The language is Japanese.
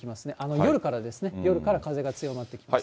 夜からですね、夜から風が強まってきます。